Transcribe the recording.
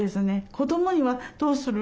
「子どもにはどうする？」